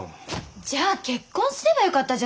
じゃあ結婚すればよかったじゃない！？